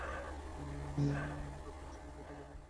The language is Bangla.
আমরা পৌঁছে গেছি, তাকিয়ে দেখো সামনে!